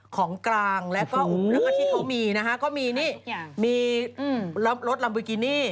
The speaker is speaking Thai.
ของกลางและที่เขามีนะฮะก็มีรถลำบลูกกินี่